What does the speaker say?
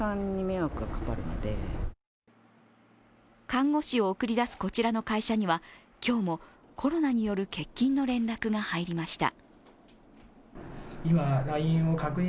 看護師を送り出すこちらの会社には今日もコロナによる欠勤の連絡が入りました。